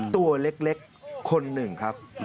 ตัวเล็กคนหนึ่งครับ